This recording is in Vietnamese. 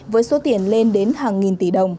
với số tiền lên đến hàng nghìn tỷ